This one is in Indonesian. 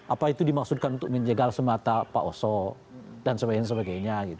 apa itu dimaksudkan untuk menjegal semata pak oso dan sebagainya sebagainya